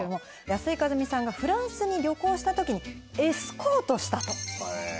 安井かずみさんがフランスに旅行した時にエスコートしたと。